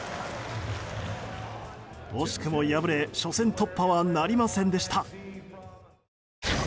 惜しくも敗れ、初戦突破はなりませんでした。